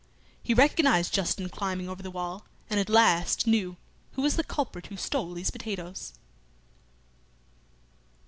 He recognised Justin climbing over the wall, and at last knew who was the culprit who stole his potatoes.